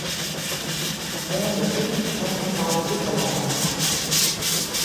Moarn betiid flean ik nei Grikelân.